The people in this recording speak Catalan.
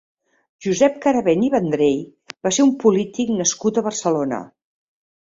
Josep Carabén i Vendrell va ser un polític nascut a Barcelona.